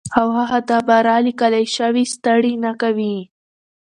او هغه دا بره ليکلے شوي ستړې نۀ کوي